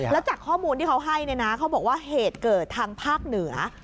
แล้วจากข้อมูลที่เขาให้เนี่ยนะเขาบอกว่าเหตุเกิดทางภาคเหนือ